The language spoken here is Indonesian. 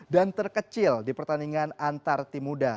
dan terkecil di pertandingan antar timuda